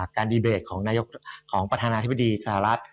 การดีเบทของปรารถนาธิบดีสหรัฐ